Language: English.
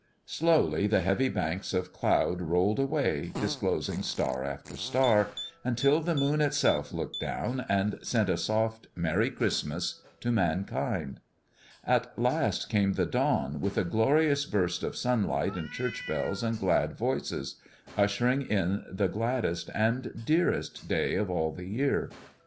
Slowly the heavy banks of cloud rolled away, disclosing star after star, until the moon itself looked down, and sent a soft "Merry Christmas" to mankind. At last came the dawn, with a glorious burst of sunlight and church bells and glad voices, ushering in the gladdest and dearest day of all the year.